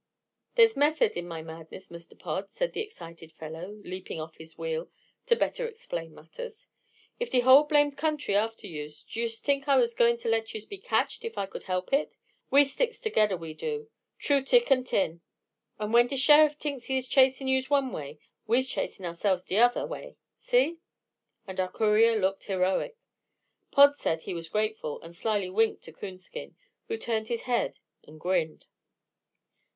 "Dey's method in my madness, Mr. Pod," said the excited fellow, leaping off his wheel, to better explain matters. "If de whole blamed country's after yuse, do yuse tink I was goin' to let yuse be catched if I could help it? We sticks togedder, we do, tru t'ick an' thin, an' when de sheriff t'inks he is chasin' yuse one way, we's chasin' ourselves de udder way, see?" And our courier looked heroic. Pod said he was grateful, and slyly winked to Coonskin, who turned his head and grinned.